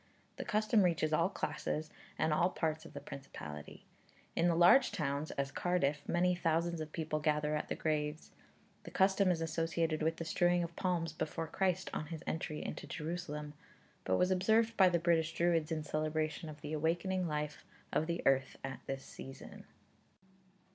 The custom reaches all classes, and all parts of the Principality. In the large towns, as Cardiff, many thousands of people gather at the graves. The custom is associated with the strewing of palms before Christ on his entry into Jerusalem, but was observed by the British Druids in celebration of the awakening life of the earth at this season.